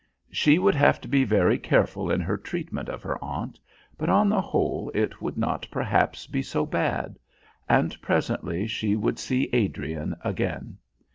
She would have to be very careful in her treatment of her aunt, but on the whole it would not perhaps be so bad; and presently she would see Adrian again.